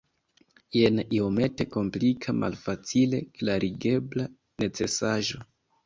Jen iomete komplika malfacile klarigebla necesaĵo.